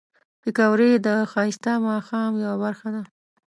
پکورې د ښایسته ماښام یو برخه ده